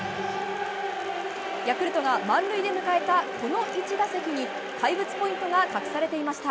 ヤクルトが満塁で迎えたこの１打席に怪物ポイントが隠されていました。